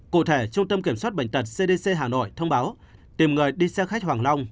cụ thể trung tâm kiểm soát bệnh tật cdc hà nội thông báo tìm người đi xe khách hoàng long